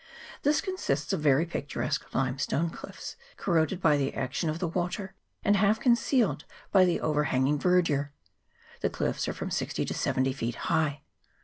This consists of very picturesque limestone cliffs, corroded by the action of the water, and half concealed by the over hang ing verdure. The cliffs are from sixty to seventy feet high.